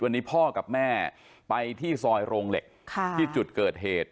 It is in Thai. วันนี้พ่อกับแม่ไปที่ซอยโรงเหล็กที่จุดเกิดเหตุ